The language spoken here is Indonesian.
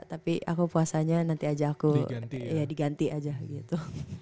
tapi aku puasanya nanti aja aku ya diganti aja gitu